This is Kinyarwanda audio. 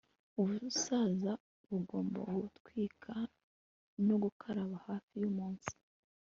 ubusaza bugomba gutwikwa no kurakara hafi yumunsi